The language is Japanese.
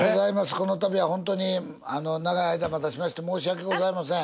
このたびはホントに長い間待たせまして申し訳ございません。